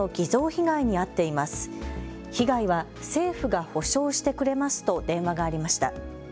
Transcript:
被害は政府が補償してくれますと電話がありました。